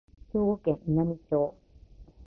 兵庫県稲美町